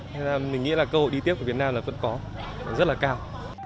thế nên mình nghĩ là cơ hội đi tiếp của việt nam là vẫn có rất là cao